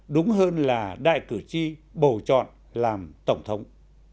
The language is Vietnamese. đúng hơn là đại cử tri bầu chọn làm tổng thống